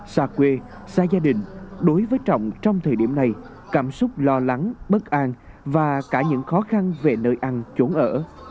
xa quê xa gia đình đối với trọng trong thời điểm này cảm xúc lo lắng bất an và cả những khó khăn về nơi ăn trốn ở